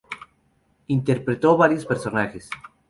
Interpretó varios personajes.